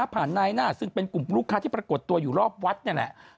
นายหน้าซึ่งเป็นกลุ่มลูกค้าที่ปรากฏตัวอยู่รอบวัดนี่แหละ